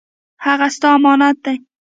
هغه ستا امانت دی